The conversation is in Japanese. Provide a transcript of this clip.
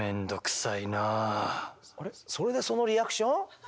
それでそのリアクション？